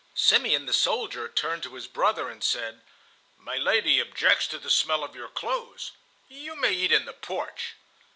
Simeon the soldier turned to his brother and said: "My lady objects to the smell of your clothes. You may eat in the porch."